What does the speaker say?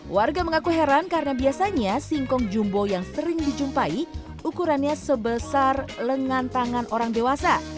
warga mengaku heran karena biasanya singkong jumbo yang sering dijumpai ukurannya sebesar lengan tangan orang dewasa